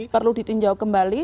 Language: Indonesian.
perlu ditinjau kembali